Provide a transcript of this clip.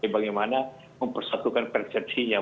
bagaimana mempersatukan persepsinya